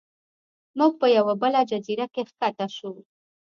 موږ په یوه بله جزیره کې ښکته شو.